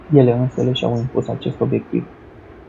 Ele însele și-au impus acest obiectiv.